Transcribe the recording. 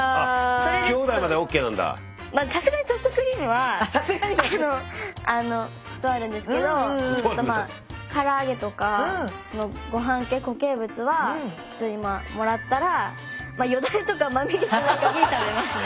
さすがにソフトクリームは断るんですけどから揚げとかごはん系固形物はついもらったらよだれとかまみれてないかぎり食べますね。